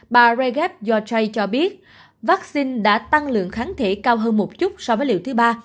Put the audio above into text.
bà jaref yorjai cho biết vaccine đã tăng lượng kháng thể cao hơn một chút so với liệu thứ ba